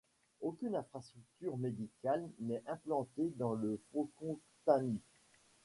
Aucune infrastructure médicale n’est implantée dans le fokontany.